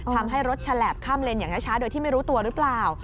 ทำให้รถฉลาบข้ามเลนอย่างช้าโดยที่ไม่รู้ตัวหรือเปล่า